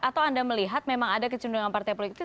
atau anda melihat memang ada kecenderungan partai politik